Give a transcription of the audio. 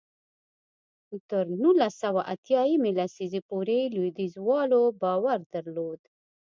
تر نولس سوه اتیا یمې لسیزې پورې لوېدیځوالو باور درلود.